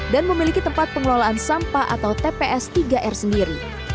dan memiliki tempat pengelolaan sampah atau tps tiga r sendiri